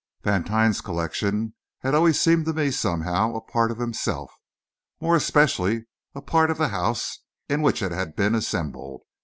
Vantine's collection had always seemed to me somehow a part of himself; more especially a part of the house in which it had been assembled.